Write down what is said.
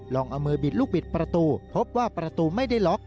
เอามือบิดลูกบิดประตูพบว่าประตูไม่ได้ล็อก